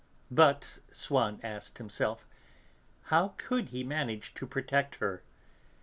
But, Swann asked himself, how could he manage to protect her?